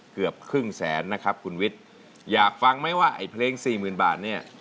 เกือบครึ่งแสนนะครับคุณวิทย์อยากฟังไหมว่าย